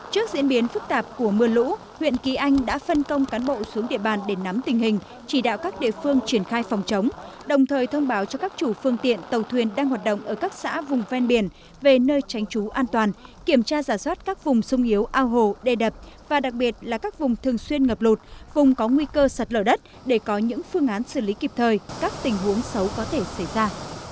trước diễn biến phức tạp của mưa lũ huyện kỳ anh đã phân công cán bộ xuống địa bàn để nắm tình hình chỉ đạo các địa phương triển khai phòng chống đồng thời thông báo cho các chủ phương tiện tàu thuyền đang hoạt động ở các xã vùng ven biển về nơi tránh trú an toàn kiểm tra giả soát các vùng sung yếu ao hồ đê đập và đặc biệt là các vùng thường xuyên ngập lụt vùng có nguy cơ sật lở đất để có những phương án xử lý kịp thời các tình huống xấu có thể xảy ra